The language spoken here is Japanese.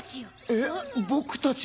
えっ僕たちも？